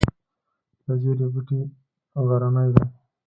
د زیرې بوټی غرنی دی